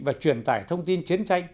và truyền tải thông tin chiến tranh